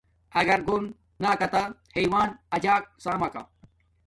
اگر گھور نا کاتہ حیوان اجاک سامکا